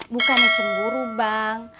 bukanlah cemburu bang